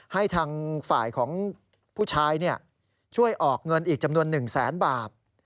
ให้ทางฝ่ายของผู้ชายช่วยออกเงินอีกจำนวน๑แสนบาท